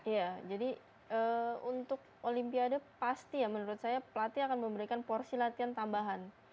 ya jadi untuk olimpiade pasti ya menurut saya pelatih akan memberikan porsi latihan tambahan